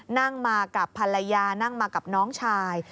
นั่งมากับภรรยานั่งมากับน้องชาย